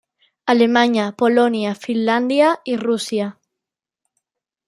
Alemanya, Polònia, Finlàndia i Rússia.